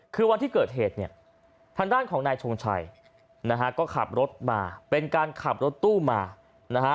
คือวันที่เกิดเหตุเนี่ยทางด้านของนายชงชัยนะฮะก็ขับรถมาเป็นการขับรถตู้มานะฮะ